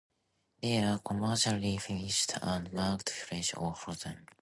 They are commercially fished, and marketed fresh or frozen.